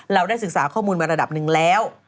เราได้ศึกษาข้อมูลมาระดับหนึ่งแล้ว